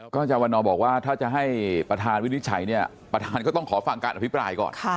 อาจารย์วันนอบอกว่าถ้าจะให้ประธานวินิจฉัยเนี่ยประธานก็ต้องขอฟังการอภิปรายก่อน